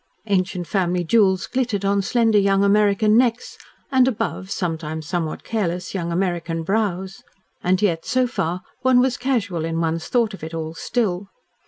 Ancient family jewels glittered on slender, young American necks, and above sometimes somewhat careless young American brows. And yet, so far, one was casual in one's thought of it all, still.